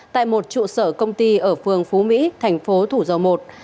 tại một trụ sở công ty ở phường phú mỹ thành phố thủ dầu một